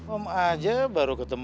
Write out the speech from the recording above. om aja baru ketemu